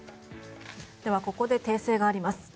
ここで訂正があります。